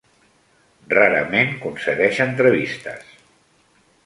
Rarament concedeix entrevistes.